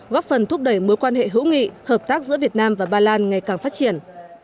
góp phần thúc đẩy mối quan hệ hữu nghị hợp tác giữa việt nam và ba lan ngày càng phát triển